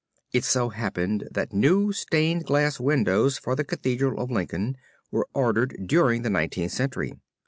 It so happened that new stained glass windows for the Cathedral of Lincoln were ordered during the Nineteenth Century.